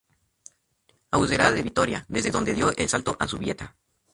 Aurrerá de Vitoria, desde donde dio el salto a Zubieta.